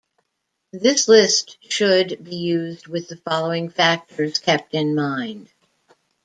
This list should be used with the following factors kept in mind.